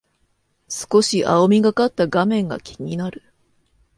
少し青みがかった画面が気になる